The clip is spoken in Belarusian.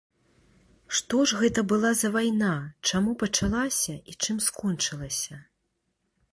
Што ж гэта была за вайна, чаму пачалася і чым скончылася?